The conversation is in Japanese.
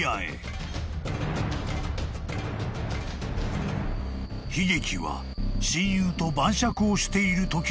［悲劇は親友と晩酌をしているときに起きた］